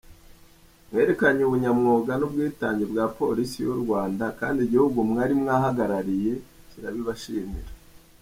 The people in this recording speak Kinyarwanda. Mwerekanye ubunyamwuga n’ubwitange bwa Polisi y’u Rwanda kandi igihugu mwari muhagarariye kirabibashimira.”